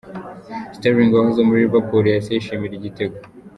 Sterling wahoze muri Liverpool yahise yishimira igitego.